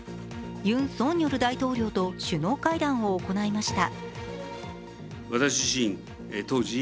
ユン・ソンニョル大統領と首脳会談を行いました。